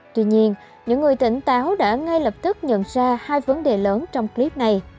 tuy nhiên những người tỉnh táo đã ngay lập tức nhận ra hai vấn đề lớn trong clip này